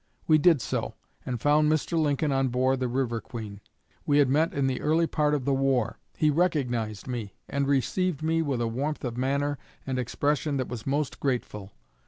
We did so, and found Mr. Lincoln on board the 'River Queen.' We had met in the early part of the war; he recognized me, and received me with a warmth of manner and expression that was most grateful.